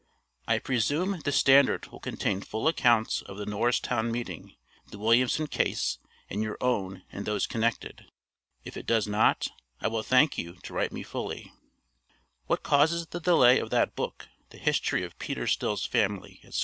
I presume the Standard will contain full accounts of the Norristown meeting, the Williamson case, and your own and those connected. If it does not, I will thank you to write me fully. What causes the delay of that book, the History of Peter Still's Family, etc.?